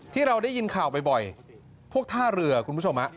ที่เราได้ยินข่าวบ่อยพวกท่าเรือคุณผู้ชม